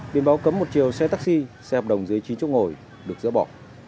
biên báo cấm một chiều xe taxi xe hợp đồng dưới chín chỗ ngồi được giữ bỏ